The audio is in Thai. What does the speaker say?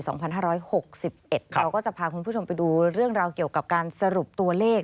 เราก็จะพาคุณผู้ชมไปดูเรื่องราวเกี่ยวกับการสรุปตัวเลข